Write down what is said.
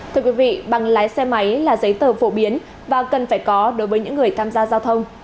thưa quý vị bằng lái xe máy là giấy tờ phổ biến và cần phải có đối với những người tham gia giao thông